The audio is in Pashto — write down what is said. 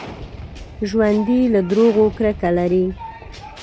ژوندي له دروغو کرکه لري